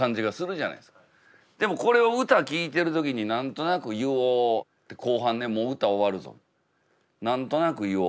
でもこれを歌聴いてる時に何となく言おう後半ねもう歌終わるぞ何となく言おう。